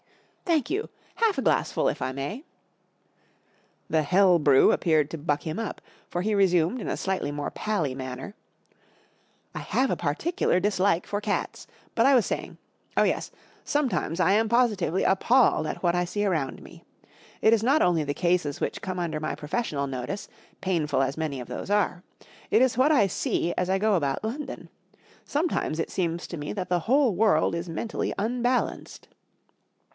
41 Thank you. Half a glassful, if I may." The hell brew appeared to buck him up, for he resmjied in a slightly more pally manner. 44 I have a particular dislike for cats. But I was saying Oh, yes. Sometimes I am positively appalled at what I see around me. It is not only the cases which come under my professional notice, painful as many of those are. It is what I see as I go about London. Sometimes it seems to me that the whole world is mentally unbalanced.